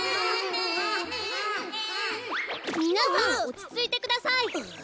みなさんおちついてください。